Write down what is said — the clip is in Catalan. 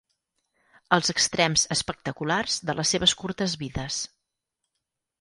Els extrems espectaculars de les seves curtes vides.